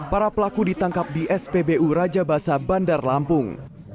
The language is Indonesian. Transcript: para pelaku ditangkap di spbu rajabasa bandar lampung